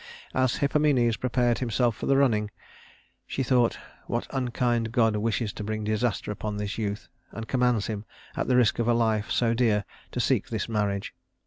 As Hippomenes prepared himself for the running, she thought: "What unkind god wishes to bring disaster upon this youth, and commands him, at the risk of a life so dear, to seek this marriage.